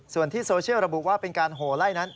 ส่วนที่โซเชียลระบุว่าเป็นการโหไล่นั้น